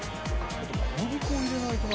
小麦粉入れないとな。